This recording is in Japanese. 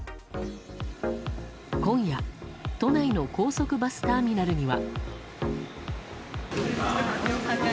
今夜、都内の高速バスターミナルには。